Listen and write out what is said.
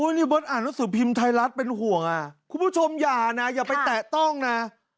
นี่เบิร์ตอ่านหนังสือพิมพ์ไทยรัฐเป็นห่วงอ่ะคุณผู้ชมอย่านะอย่าไปแตะต้องนะ